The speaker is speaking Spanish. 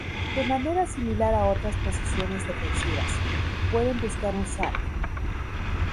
De manera similar a otras posiciones defensivas, pueden buscar un sack.